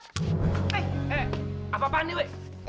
eh eh apa apaan nih weh